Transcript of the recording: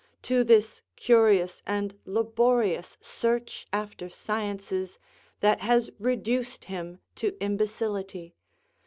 to this curious and laborious search after sciences, that has reduced him to imbecility?